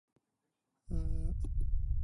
齋粉果